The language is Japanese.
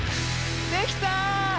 できた！